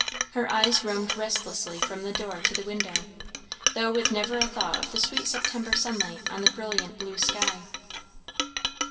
Her eyes roamed restlessly from the door to the window, though with never a thought of the sweet September sunlight on the brilliant blue sky.